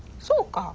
そうか。